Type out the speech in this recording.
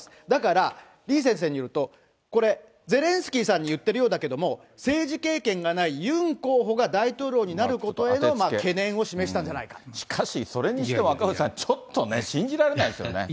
だから李先生によると、これ、ゼレンスキーさんに言ってるようだけれども、政治経験がないユン候補が大統領になることへの懸念を示したんじしかし、それにしては赤星さん、ちょっとね、信じられないですよね。